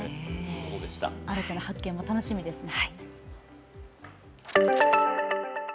新たな発見も楽しみですね。